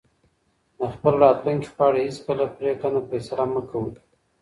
د خپل راتلونکي په اړه هیڅکله پرېکنده فیصله مه کوئ.